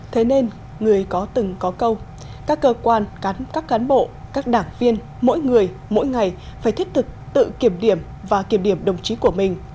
thế nên người có từng có câu các cơ quan các cán bộ các đảng viên mỗi người mỗi ngày phải thiết thực tự kiểm điểm và kiểm điểm đồng chí của mình